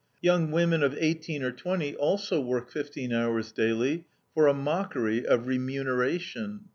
Young women of eighteen or twenty also work fifteen hours daily, for a mockery of remuneration.